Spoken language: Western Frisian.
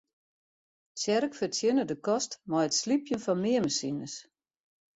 Tsjerk fertsjinne de kost mei it slypjen fan meanmasines.